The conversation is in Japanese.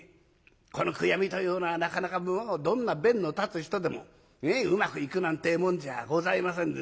この悔やみというのはなかなかどんな弁の立つ人でもうまくいくなんてえもんじゃございませんで。